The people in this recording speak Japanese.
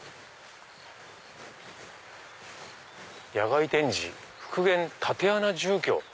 「野外展示・復元竪穴住居」。